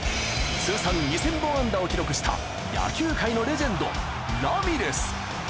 通算２０００本安打を記録した野球界のレジェンド、ラミレス。